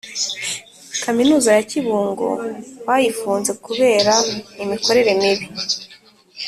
Kaminuza yakibungo bayifunze kubera imikorere mibi